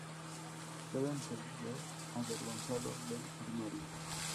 Steven se va avergonzado del armario.